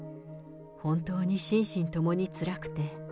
本当に心身ともにつらくて。